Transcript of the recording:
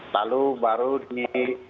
lalu baru di